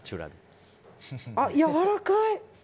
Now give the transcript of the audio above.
あ、やわらかい。